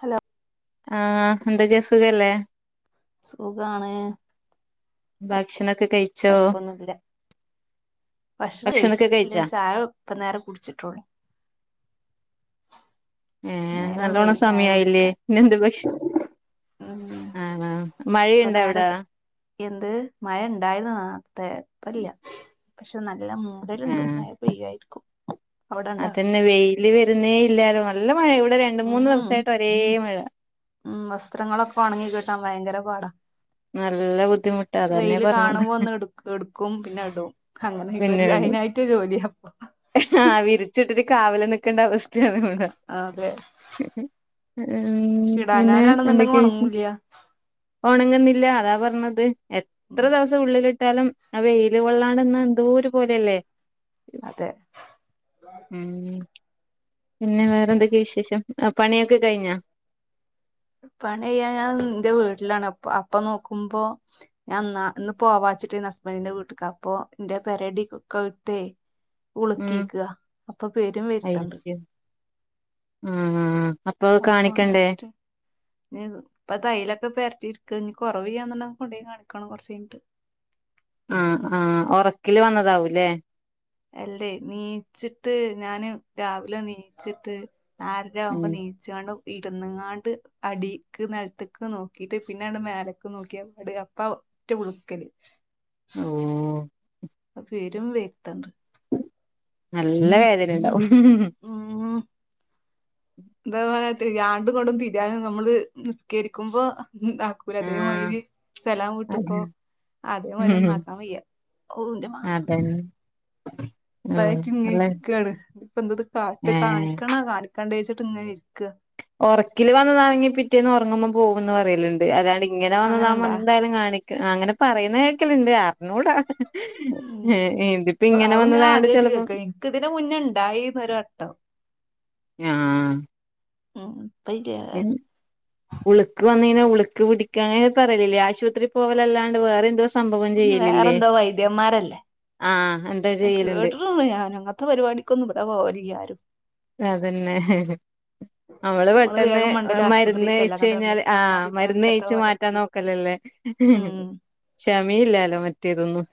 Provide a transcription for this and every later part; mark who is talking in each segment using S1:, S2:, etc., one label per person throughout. S1: Hello
S2: ആഹ് എന്താക്ക സുഖല്ലേ?
S1: സുഖാണ്.
S2: ഭക്ഷണം ഒക്കെ കഴി
S1: ഴപ്പൊന്നുല്ല. ഭക്ഷണം കഴിച്ച്
S2: ഭക്ഷണൊക്കെ
S1: ല
S2: കഴിച്ചാ
S1: ചായ ഇപ്പ നേരം കുടിച്ചിട്ടോളൂ.
S2: ഏഹ നല്ലോണം സമയയില്ലേ പിന്നെ എന്ത് പക്ഷെ
S1: ഉം
S2: ആ, ആ
S1: ഇപ്പൊ
S2: മഴയുണ്ട അവിട?
S1: നേരെ ച- എന്ത് മഴ ഉണ്ടായരുന്നു തപ്പല്ല പക്ഷെ നല്ല മൂടലുണ്ട്
S2: ആഹ്
S1: മഴ വയാരിക്കും.
S2: അതന്നെ വെയില് വരുന്നേ ഇല്ലാലോ നല്ല മഴ ഇവിടെ രണ്ട് മൂന്ന്
S1: ഉം
S2: ദിവസയിട്ട് ഒരേ മഴ.
S1: ഉം വസ്ത്രങ്ങളൊക്കെ ഉണങ്ങി കിട്ടൻ ഭയങ്കര പാടാ
S2: നല്ല ബുദ്ധിമുട്ടാ അതന്നെ
S1: വെയില്
S2: പറഞ്ഞത്
S1: കാണുമ്പോ ഒന്ന് എടു എടുക്കും പിന്നെ ഇടും അങ്ങനെ അയിട്ട് എറ്റ ജോലിയപ്പ
S2: ആഹ വിരിച്ചിട്ടിട്ട് കാവല നിൽക്കേണ്ട അവസ്ഥയാണ് നൂടെ
S1: അഹ അതെ
S2: നിന്നെ
S1: ഇടാഞ്ഞാലാണെന്നുണ്ടെങ്കി
S2: എന്തൊക്കെയ വിഷം.
S1: ഉണങ്ങൂല്ല
S2: ണങ്ങുന്നില്ല അതാ പറഞ്ഞത് എത്ര
S1: ഉം
S2: ദിവസം ഉള്ളിലിട്ട സ്ഥലം വെയില് കൊള്ളാണ്ട്ന്ന എന്തൂര് പോലെയല്ലേ.
S1: അതെ.
S2: ഉം പിന്നെ വേറെന്തെക്കെ വിശേഷം പണിയൊക്കെ കഴിഞ്ഞാ
S1: പണി ചെയ്യാൻ ഞാൻ എന്റെ വീട്ടിലാണ്പ്പ അപ്പ നോക്കുമ്പോ ഞാൻ എന്ന ഇന്ന് പോവാച്ചിട്ട്ന്ന് ഹസ്ബൻഡിന്റെ വീട്ടക്ക് അപ്പൊ എന്റെ പെരടി കഴത്തേ
S2: ഉം
S1: ഉളുക്കിക്കുക അപ്പൊ പേരും വരുത്തണ്ട്
S2: ഉം അപ്പൊ കാണിക്കണ്ടേ
S1: പ്പൊ തൈലൊക്കെ പെര്ട്ടിരിക്ക ഇഞ് കൊറവ്യ്യ എന്നുണ്ടെ കൊണ്ടയ് കാണിക്കണം കൊർച്ച്ഴ്ഞ്ഞിട്ട്
S2: ആഹ് ആഹ് ഒറക്കില് വന്നതാവൂല്ലേ
S1: അല്ലേ നീച്ചിട്ട് ഞാന് രാവിലെ നീച്ചിട്ട് നാരര ആവുമ്പോ
S2: ഉം
S1: നീ ചാണ്ടും ഇര്ന്ന്ങ്ങാണ്ട് അടിക്ക് നിലത്തക്ക് നോക്കിട്ട് പിന്നെ മേലക്കെ നോക്കിയ പാട് അപ്പ ട്ട് വിളിക്കല്
S2: ഓ
S1: അ പെരും വെര്ത്ണ്ട്
S2: നല്ല വേദനണ്ടാവും
S1: ഉം എന്താ പറാതില്ല ആണ്ടുകൊണ്ടും തിരാനും നമ്മള് നിസ്കരിക്കുമ്പോന്താക്കും ക്കുല അതേ
S2: ആഹ്
S1: മാരി
S2: അതെ
S1: സലാംവീട്ട്പ്പോ അതെ മരന്ന
S2: ഉം
S1: ആക്കാൻ വയ്യ ഓന്റെ മാ
S2: ഉ
S1: പ്പയെറ്റ് ഇങ്ങെ ഇരിക്കാണ് ഇപ്പ എന്തത്കാട്ടെ
S2: ഏഹ്
S1: കാണിക്കണ കാണിക്കെണ്ടയ്ചിട്ട് ഇങ്ങനെ ഇരിക്ക
S2: ഉറക്കിൽ വന്നതാറങ്ങി പിറ്റേന്ന് ഉറങ്ങുമ്പോ പോകന്ന് പറലണ്ട് അതാണ്ട് ഇങ്ങനെ വന്നതാവുമോ
S1: അങ്ങനെണ്ടാ
S2: എന്തായാലും കാണിക്കും അങ്ങനെ പറയുന്ന കേക്കല്ണ്ട് അറിഞ്ഞൂട
S1: ഉം അഉ ഞാൻ
S2: വന്നതായോണ്ട്
S1: ആദ്യയിട്ട്
S2: ചെലപ്പം
S1: കേക്ക ഇൻക് ഇതിന്റെ മുന്നെണ്ടായീര്ന്ന് ഒരുവട്ടം
S2: ആഹ്
S1: ഉം ഇപ്പ ഇല്ല
S2: എൻ ഉളുക്ക് വന്നയ്ഞ്ഞ ഉളുക്ക് പിടിക്ക അങ്ങെനെ പറലില്ലേ ആശുപത്രി പോവലല്ലാണ്ട് വേറെ എന്തോ സംഭവം
S1: വേറെന്തോ വൈദ്യന്മാരല്ലേ
S2: അ ആഹ് ഹൻ
S1: കേട്ടിട്ട്ണ്ട് ഞാനു അങ്ങത്തെ പരിപാടികൊന്നും ഇവടെ പോവൽല്ല്യാരും
S2: അതന്നെ നമ്മള് പെട്ടെന്ന്
S1: വേഗം മണ്ടല്
S2: മരുന്ന്
S1: ആശുപത്രിക്കല്ലേ
S2: കഴച്ച്
S1: അങ്ങനത്തെ
S2: കഴിഞ്ഞാല്
S1: എന്തെങ്കിലും
S2: ആഹ്
S1: വന്നാല്
S2: മരുന്ന്
S1: ബാധിക്കാത്ത
S2: കഴിച്ചു മാറ്റാൻ
S1: പോലത്തല്ലേ
S2: നോക്കലല്ലേ
S1: ഉം
S2: ക്ഷമയില്ലാലോ മറ്റേതൊന്നും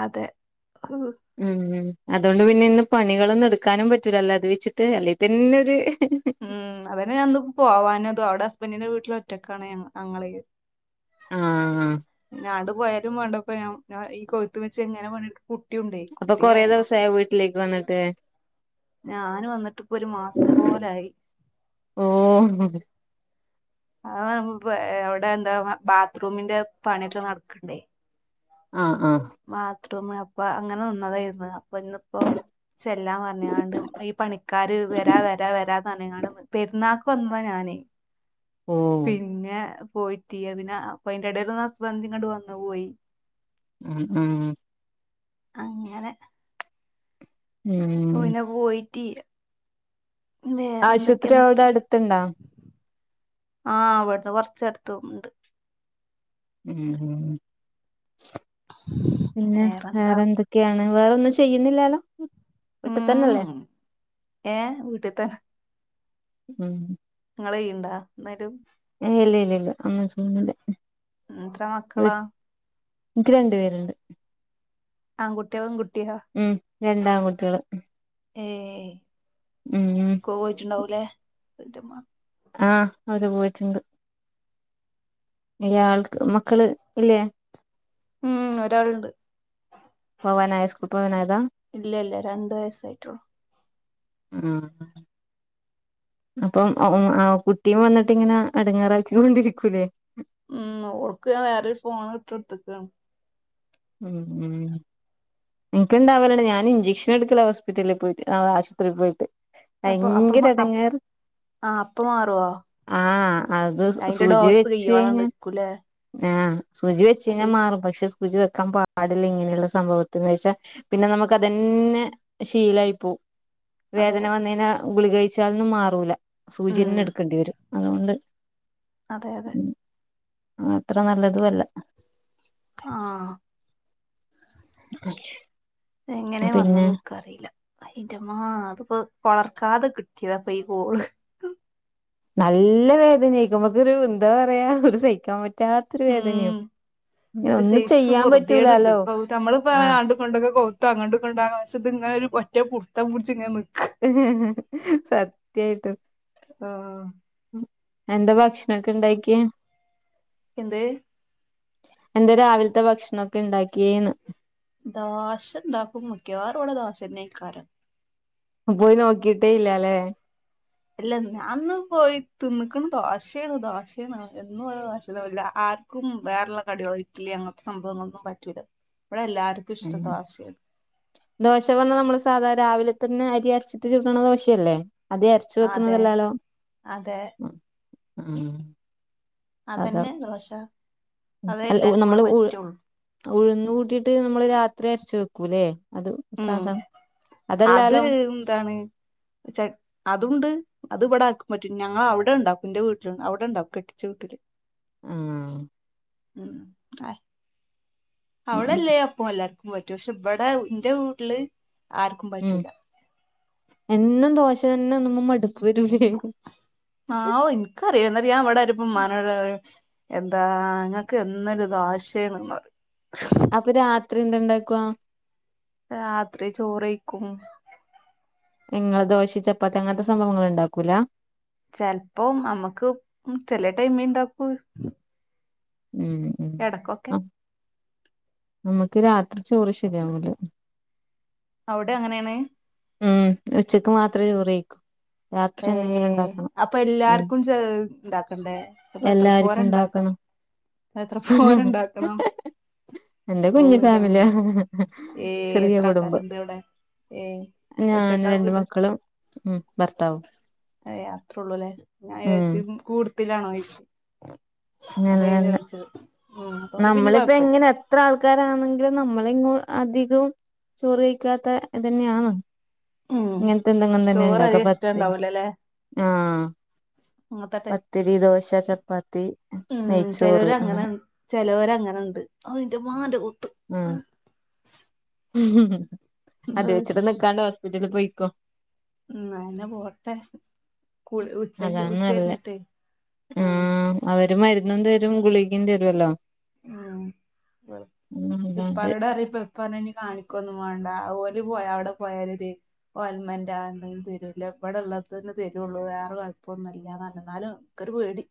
S1: അതെ ഹു
S2: ഉം അതുകൊണ്ട് പിന്നെ ഇന്ന് പണികളൊന്നും എടുക്കാനും പറ്റൂലല്ലോ അത് വെച്ച് ത് അല്ലെ തന്നെ ഒരു
S1: ഉം അതന്നെ ഞാൻന്ന് പോവാഞ്ഞതും അവ്ടെ ഹസ്ബന്റിന്റെ വീട്ട്ൽ ഒറ്റക്കാണ് അങ്ങള്
S2: ആഹ്
S1: ഞാണ്ട് പോയാലും വേണ്ടപ്പോ ഞാൻ ഈ കൊഴുത്ത് വെച്ച് എങ്ങനെ പണിട്ക്കും കുട്ടിയുണ്ടേ കുട്ടിയെ നോക്ക
S2: ലേക്ക് വന്ന്ട്ട്
S1: ഞാന് വന്നിട്ട് ഇപ്പൊ ഒരു മാസം പോലായി
S2: ഓഹ്
S1: അഥവാ നമ്മപ്പേ അവ്ടെ എന്താ ബാത്റൂമിന്റെ പണിക്കെ നടക്ക്ണ്ടേ
S2: ആഹ് ആഹ്
S1: മാത്രൂം അപ്പൊ അങ്ങനെ നിന്നതായിരുന്നു അപ്പൊ ഇന്നിപ്പോ ചെല്ലാം പറഞ്ഞാണ്ട് ഈ പണിക്കാര് വരാ വരാ വരാന്നർഞ്ഞികാണ്ട് നി പെര്ന്നാ പ്പോന്ന ഞാനേ
S2: ഓ
S1: പിന്നെ പോയി പറ്റിയ പിന്നെ അപ്പ അന്റെ ഇടൽ ഒന്ന് ഹസ്ബന്റ് ഇങ്ങട് വന്നു പോയി
S2: ഉം ഉം
S1: അങ്ങനെ ഓ
S2: ഉം
S1: പിന്നെ പോയിട്ട് വേറെന്തൊക്കെ
S2: ആശുഅത്രി അവിടെ അടുത്ണ്ടോ.
S1: ആഹ് അവിടുന്ന് കൊറച്ചട്ത്ത്ണ്ട്.
S2: ഉ പിന്നെ
S1: വേറെന്താ
S2: വേറെന്ത്. ക്കെണവേറൊന്നും ചെയ്യുന്നില്ലാലോ.
S1: ഉം
S2: വിട്ടിതന്നല്ലേ
S1: ഏ വീട്ടിൽ
S2: ഉം
S1: നിങ്ങള്യണ്ടാന്നാരു.
S2: ഇല്ല ഇല്ല ഇല്ല ഒന്നും ചെയ്യുന്നില്ല.
S1: എത്രമക്കളാ
S2: ഇൻക്ക് രണ്ടു പേരുണ്ട്
S1: ആങ്കുട്ട്യ പെങ്കുട്ട്യ
S2: ഉം രണ്ടാആൺകുട്ടിയേള്
S1: ഏ
S2: ഉം
S1: സ്കോൾ പോയ്ട്ടുണ്ടാവുലേ.
S2: ആഹ് അവര് പോയിട്ടുണ്ട്. വല്യാൾക്ക് മക്കള് ഇല്ലേ?
S1: ഉം ഒരാളുണ്ട്.
S2: പോവാനായോ സ്കൂപോവനായതാ.
S1: ഇല്ല ഇല്ല രണ്ട് വയസ്സായിട്ടുള്ളു
S2: ഉം. അപ്പം ആ കുട്ടിയും വന്നിട്ട് ഇങ്ങനെ എടങ്ങാറാക്കികൊണ്ടിരിക്കൂല്ലേ.
S1: ഉം ഓൾക്ക് ഞാൻ വേറൊരു ഫോണ് ഇട്ടൊടുത്തക്കാണ്.
S2: ഉം ഉം നിക്ക്ണ്ടാവലിണ്ട് ഞാനിജക്ഷൻ എടുക്കല ഹോസ്പിറ്റലിൽ പോയിട്ട് ആഹ് ആശുപത്രി പോയിട്ട്
S1: അപ്പൊ അപ്പ ആ
S2: ഭയങ്കരടങ്ങാറ്.
S1: അപ്പ മാറുവോ
S2: ആഹ് അത്
S1: അതിന്റെ
S2: സൂചി
S1: ഡോസ്
S2: വെച്ച്
S1: കയ്യോളം
S2: കയിഞ്ഞാ.
S1: നിക്കൂലേ
S2: ആഹ് സുചി വെച്ച് കഴിഞ്ഞാ
S1: അതെ
S2: മാറും പക്ഷെ സുചി വെ. ക്കാൻ പാടില്ല ഇങ്ങനെള്ള സംഭവത്തിന് വെച്ചാപിന്നെ നമുക്ക്തന്നെ ശീലായി പോം
S1: അതെ
S2: വേദന വന്ന്കഴിഞ്ഞ ഗുളിക കഴിച്ചാലൊന്നും മാറൂല
S1: ഉം
S2: സൂചിന്നെ ട്ക്കേണ്ടിവരും. അതോണ്ട്
S1: അതെ അതെ.
S2: അത്ര നല്ലതു അല്ല.
S1: ആഹ്.
S2: [inaudible]
S1: എങ്ങനെ
S2: പിന്നെ
S1: വന്ന്ന്ന്ക്കറീല. അയിന്റെമ്മ അതിപ്പോ കൊളർക്കാതെ കിട്ടിയതാപ്പൊ ഈ കോള്
S2: നല്ല വേദനയിക്കുമ്ക്കൊരു എന്താ പറയാ ഒരു സഹിക്കാ. പറ്റാത്തൊരു
S1: ഉം
S2: വേദനയവും
S1: ഒരു
S2: ഒന്നും
S1: സൈസ്
S2: ചെയ്യാപറ്റൂലാലോ ആഹ്
S1: പണ്ടൊക്കെ കാത്തങ്ങൊട്ടും ഇങ്ങ്ട്ടും ആവ പക്ഷെ ഇത്ങ്ങനെ ഒരു ഒറ്റ പുടുത്തം പിടിച്ച്ഇങ്ങന നിക്ക.
S2: സത്യായിട്ട്
S1: ഉം
S2: എന്താ ഭക്ഷണൊക്കെണ്ടാക്കിയ.
S1: എന്ത്?
S2: എന്ത രാവിൽത്തെ ഭക്ഷണൊക്കെ ണ്ടാക്കിയന്ന്
S1: ദോശണ്ടാക്കും മിക്കവാറും ഇവിടെ ദോശന്നെക്കാരം
S2: പോയി നോക്കിട്ടേല്ലാലെ.
S1: അല്ല ഞാനൊന്ന് പോയി തിന്ന്ക്കണ് ദോശേണ് ദോശേണ് എന്നും [unintelligible] ക്കുംവേറെള്ള കടികളോ ഇഡ്ലി അങ്ങനത്തെ സംഭവങ്ങളൊന്നും പറ്റൂല ഇവിടെ എല്ലാർ
S2: ഉം. ദോശ വന്ന നമ്മള് സാധാ രാവിലെ തന്നെ അരി അരച്ചിട്ട് ചുടണ ദോശല്ലേ അധ്യേ അരച്ചു
S1: അതെ
S2: വെക്കുന്നതല്ലാലോ
S1: അതെ അതന്നെ ദോശ അതേ
S2: അല്ല
S1: എല്ലാർക്കും ഇവിടെ
S2: നമ്മള് ഉഴു
S1: പറ്റുള്ളൂ
S2: ഉഴുന്ന് കൂട്ടിട്ട് നമ്മള് രാത്രി അരച്ച് വെക്കൂല്ലേ അതും. സാധ അതെല്ലാലോ?
S1: ഇത് എന്താണ്? ചെക്ക് അതൂണ്ട്. അത് ഇവടാർക്കും പറ്റും ഞങ്ങള് അവടെ ഇണ്ടാക്കും ഇന്റെ വീട്ടില് അവിടെ ഇണ്ടാക്കും കെട്ടിച്ച വീട്ടില്.
S2: ആഹ്.
S1: ഉം ആഹ്.
S2: ഉം ഉം
S1: അവിടെയല്ലേ അപ്പം എല്ലാർക്കും പറ്റൂ, പക്ഷേ ഇവിടെ ഇന്റെ വീട്ടില് ആർക്കും
S2: ഉം
S1: പറ്റൂല.
S2: എന്നും ദോശ തന്നെ തിന്നുമ്പോ മടുപ്പ് വരൂലേ?
S1: ആവോ എനിക്ക് അറിയും അന്നേരം ഞാൻ ഉമ്മാനോട് പറയും. എന്താ ഇങ്ങക്ക് എന്നൊരു ദോശേണ് പറീം
S2: അപ്പൊ രാത്രി എന്ത് ഇണ്ടാക്കുവാ?
S1: രാത്രി ചോറ് കഴിക്കും.
S2: ഇങ്ങള് ദോശ്, ചപ്പാത്തി അങ്ങനത്തെ സംഭവങ്ങളൊന്നും ഉണ്ടാക്കൂല?
S1: ചെലപ്പോ നമുക്ക്‌ ചെല ടൈമിൽ ഉണ്ടാക്കും.
S2: ഉം ഉം നാം നമ്മക്ക് രാത്രി ചോറ് ശരിയാവൂല.
S1: അവിടെ അങ്ങനെ ആണ്.
S2: ഉം ഉച്ചക്ക് മാത്രമേ ചോറ് കഴി
S1: ഏഹ് അപ്പൊ
S2: ഉം
S1: എല്ലാർക്കും ചേർ ഇണ്ടാക്കണ്ടേ? അപ്പൊ എത്ര
S2: എല്ലാർക്കും
S1: പോരക്ക് ഇണ്ടാക്കാം,
S2: ഉണ്ടാക്കണം
S1: എത്ര പോരണ്ടാക്കണം.
S2: എന്റെ കുഞ്ഞു ഫാമിലിയോ
S1: ഏ
S2: ചെറിയ
S1: എത്ര
S2: കുടുംബം
S1: ആൾക്കാരുണ്ട് ഇവിടെ ഏ
S2: ഞാന്
S1: ഒറ്റക്കാ
S2: രണ്ട്
S1: വീട്
S2: മക്കളും ഉം ഭർത്താവും.
S1: ഏയ്‌ അത്രയുള്ളൂലേ, ഞാൻ
S2: ഉം
S1: വിചാരിച്ചു കൂടുത്തിലാണോന്ന്. അതെ
S2: നല്ലന്നെ
S1: ചോദിച്ചത്. ഉം അതോണ്ട് പിന്നെ
S2: നമ്മളിപ്പോ
S1: കൊഴപ്പല്ല
S2: എങ്ങനെ എത്ര ആൾക്കാരാണെങ്കിലും നമ്മള് ഇങ്ങ് അധികം. ചോറ് കഴിക്കാതെ അത് തന്നെയാണോ?
S1: ഉം
S2: ഇങ്ങനത്തെ എന്തെങ്കിലും തന്നെ
S1: ചോറ്
S2: ഇണ്ടാക്കുക,
S1: അധികം ഇഷ്ടം
S2: പത്തിന്
S1: ഇണ്ടാവൂലല്ലേ
S2: ആഹ്.
S1: അങ്ങത്തട്ടെ
S2: പത്തിരി, ദോശ, ചപ്പാത്തി, നെയ്യ്ച്ചോറ് അങ്ങനെ.
S1: ചെലോരങ്ങനെണ്ട് അയ്ന്റെമ്മാ ന്റെ കൗത്ത്.
S2: ഉം അത് വച്ചിട്ട് നിക്കണ്ടാ ഹോസ്പിറ്റല് പോയിക്കോ.
S1: ഉം അങ്ങനെ പോട്ടെ കു ഉച്ച
S2: അതാണ്
S1: ഉച്ച
S2: നല്ലേ
S1: കഴിഞ്ഞിട്ടേ ആഹ്.
S2: അവര് മരുന്നും തരും ഗുളികിയും തരുമല്ലോ.
S1: ആഹ് ഇവിടെ ഇപ്പോളാണോ അറിയുന്നേ. ഇപ്പൊ അത് ഇനി കാണിക്കൊന്നും വേണ്ട, ഓല് പോയ അവിടെ പോയാലോ ഇത്. ഒലിമെൽറ്റ് എന്തേലും തരൂല, ഇവിടെ ഉള്ളത് തന്നെ തരുള്ളൂ വേറെ കൊഴപ്പമൊന്നുമില്ല പറഞ്ഞു എന്നാലും. എനിക്കൊരു പേടി.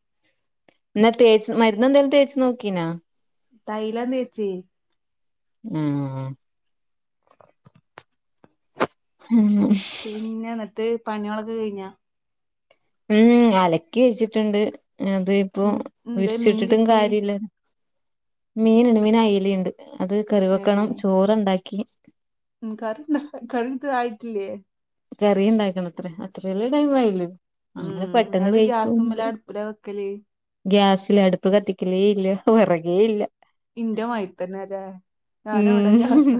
S2: ഇന്നാ തേച്ച് മരുന്ന് ന്തേലും തേച്ച് നോക്കീനാ.
S1: തൈലം തേച്ചി.
S2: ഉം ഉം.
S1: പിന്നെ ഇന്നിട്ട് പണ്യാളൊക്കെ കഴിഞ്ഞാ?
S2: ഉം അലക്കി വെച്ചിട്ടുണ്ട് അത് ഇപ്പോ
S1: ഉം എന്തേ മീൻ
S2: വിരിച്ചിട്ടിട്ടും
S1: കിട്ടി
S2: കാര്യയില്ലല്ലോ. മീന്ണ്ട് മീൻ അയലി ഇണ്ട് അത്
S1: ഏ
S2: കറിവെക്കണം ചോറ്ണ്ടാക്കി.
S1: ഉം കറിയുണ്ടോ, കറി ഇത് ആയിട്ടില്യേ?
S2: കറിയുണ്ടാക്കണത്ര അത്ര വെല്ല്യ ടൈം ആയില്ലലോ.
S1: ഉം
S2: അങ്ങനെ പെട്ടെന്ന്
S1: നിങ്ങള് ഗ്യാസുമ്മല
S2: കഴിക്കൊന്നുല്ല.
S1: അടുപ്പില വെക്കല്
S2: ഗ്യാസില് അടുപ്പ് കത്തിക്കലേ ഇല്ല വെറകേ ഇല്ല.
S1: ഇന്റെ ഭാഗ്യത്തിനെയല്ലേ, ഞാൻ ഇവിടെ ഗ്യാസാ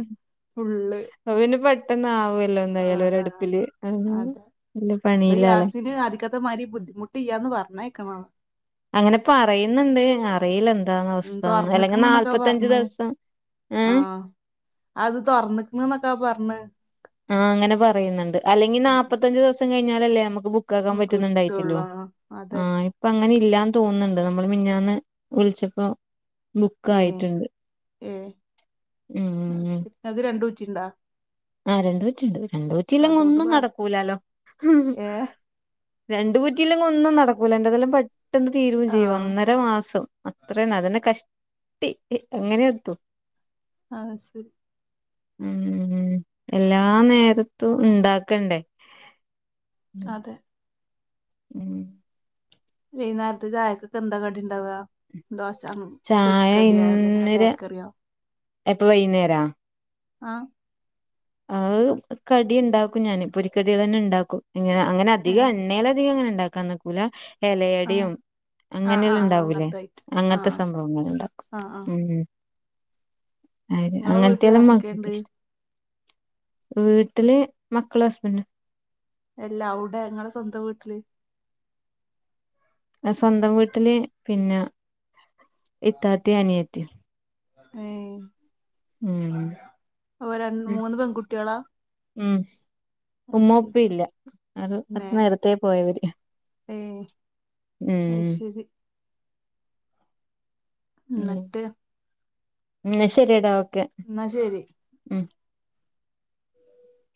S1: ഫുള്ള്.
S2: അത് പിന്നെ പെട്ടെന്ന് ആവുല്ലോ,
S1: ആ
S2: എന്തായാലും ഒരു
S1: ആ
S2: അടുപ്പില് അങ്ങനങ്ങനെ വെല്ല്യ പണിയില്ലല്ലേ.
S1: പിന്നെ ആദി ഇപ്പ മാതിരി ബുദ്ധിമുട്ട്ല്യയാ എന്ന് പറഞ്ഞേക്കണോ..
S2: അങ്ങനെ പറയുന്നുണ്ട് ങ്ങാ ബൈൽ
S1: ഉം
S2: എന്താന്നാവസ്ഥ അല്ലെങ്കിൽ
S1: തുറന്നിക്കണ് എന്നൊക്കെ
S2: നാല്പത്തഞ്ച്
S1: പറഞ്ഞ്
S2: ദിവസം ഏഹ്
S1: ആഹ് അത് തൊറന്നക്ക്ണ്ന്നൊക്കാ പറഞ്ഞ്
S2: ആഹ് അങ്ങനെ പറയുന്നുണ്ട്. അല്ലെങ്കിൽ നാല്പ്പത്തഞ്ച് ദിവസം കഴിഞ്ഞാലല്ലേ നമുക്ക് ബുക്ക് ക്കാക്കാൻ
S1: ഉം
S2: പറ്റുന്നെണ്ടായിട്ട്ല്ലോ
S1: കിട്ടുള്ളൂ ആഹ് അതെ
S2: ആഹ് ഇപ്പ അങ്ങനെ ഇല്ലാന്ന് തോന്നുന്നുണ്ട്. നമ്മള് മിഞ്ഞാന്ന് വിളിച്ചപ്പോ
S1: ഏഹ്
S2: ബുക്കായിട്ട്ണ്ട്
S1: ഏഹ് അത് ശെരി ഇങ്ങക്ക് രണ്ട് കുറ്റിണ്ടാ
S2: ആഹ് രണ്ട് കുറ്റി ഉണ്ട്. രണ്ട് കുറ്റില്ലെങ്ങെ
S1: അതോണ്ട്
S2: ഒന്നും
S1: ഭാഗ്യം
S2: നടക്കൂലാലോ
S1: ഏഹ്
S2: രണ്ട കുറ്റിയിലെങ്ക ഒന്നും നടക്കൂല. ന്റെ തെല്ലാം പെട്ടെന്ന് തീരുവയും ചെയ്യും.
S1: ആഹ്
S2: അങ്ങ് ഒരു മാസം അത്രന്നെ അതെന്നെ കഷ്ടി എങ്ങനെ എത്തും
S1: ആഹ് ശരി
S2: ഉം ഉം എല്ലാ നേരത്തും ഉണ്ടാക്കണ്ടേ ഉം.
S1: അതെ
S2: [inaudible]
S1: വെയ്ന്നാരത്തെ ചായക്കൊക്കെന്ത കടിണ്ടാവ ദോശ
S2: ചായ
S1: പൊരിക്കടിയോ അല്ലെങ്കിൽ ബേക്കറിയോ..
S2: എപ്പൊ വൈകുന്നേരാ
S1: ആഹ്
S2: അവ് കടി ഉണ്ടാക്കും ഞാൻ പൊരിക്കടികൾ തന്നെ ഉണ്ടാക്കും. ഇങ്ങനെ അങ്ങനെ അധികം
S1: ഏഹ്
S2: എണ്ണേൽ അധികം ങ്ങനെ ഇണ്ടാക്കാൻ നിക്കൂല
S1: ആഹ്
S2: എലടിയും
S1: ആഹ്
S2: അങ്ങനെല്ലാം
S1: ആഹ് ആഹ്
S2: ഉണ്ടാവൂല്ലേ
S1: അങ്ങനത്തെ ഐറ്റം
S2: അങ്ങനത്തെ
S1: ആഹ്
S2: സംഭവം അങ്ങനെ ഉണ്ടകും
S1: ആഹ് ആഹ് ആഹ്
S2: ഉ അയ്ന്
S1: ഇങ്ങളെ
S2: അങ്ങനത്തെലൊന്നും ൻക്
S1: വീട്ടിലാരൊക്കെണ്ട്
S2: ഇഷ്ട വീട്ടില് മക്കളും ഹസ്ബന്റും
S1: എല്ല അവുടെ ങ്ങളെ സ്വന്തം വീട്ടില്
S2: സ്വന്തം വീട്ടില് പിന്നെ ഇത്താത്തിം അനിയത്തിം ഉം
S1: ഏഹ് ഒരൺ മൂന്ന് പെൺകുട്ടികളാ
S2: ഉം
S1: അയ്
S2: ഉമ്മ
S1: ശരി
S2: പ്പി ഇല്ല അത് അത് നേരത്തേ പോയവര്.
S1: ഏഹ്
S2: ഉം
S1: അയ്ശരി
S2: ഉം
S1: ന്നട്ട്
S2: ന്നാ ശരിടാ ഓക്കെ
S1: ന്നാ ശെരി.
S2: ഉം